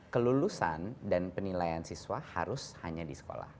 kelulusan dan penilaian siswa harus hanya di sekolah